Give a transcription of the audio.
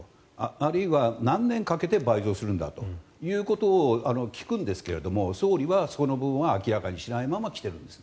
あるいは何年かけて倍増するんだということを聞くんですけれども総理はその部分は明らかにしないまま来ているんです。